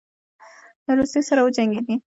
له روسیې سره وجنګېدی.